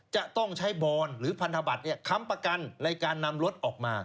จะต้องใช้บอนหรือพันธบัตรค้ำประกันในการนำรถออกมา